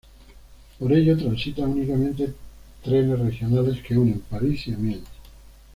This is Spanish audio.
Por ella transitan únicamente trenes regionales que unen París y Amiens.